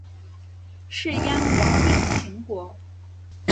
士鞅亡命秦国。